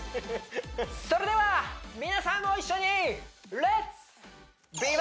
それでは皆さんも一緒にレッツ！